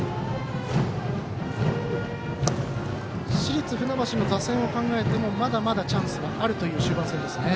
市立船橋の打線を考えてもまだまだチャンスはあるという終盤戦ですね。